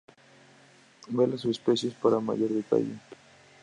Ver las subespecies para mayor detalle.